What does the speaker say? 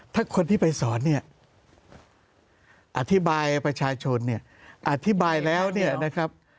ถ้าคนที่ไปสอนเนี่ยอธิบายประชาชนเนี่ยอธิบายแล้วเนี่ยนะครับ